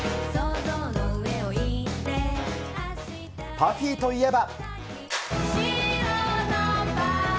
パフィーといえば。